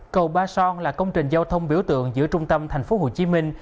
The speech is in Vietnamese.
cầu ba son là công trình giao thông biểu tượng giữa trung tâm thành phố hồ chí minh